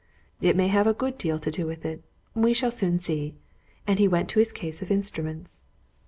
"It may have a good deal to do with it. We shall soon see." And he went to his case of instruments.